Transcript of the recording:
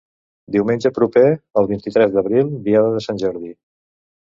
Diumenge proper al vint-i-tres d'abril, diada de Sant Jordi.